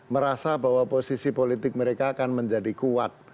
merasa bahwa posisi politik mereka akan menjadi kuat